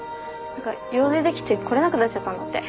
用事できて来れなくなっちゃったんだって。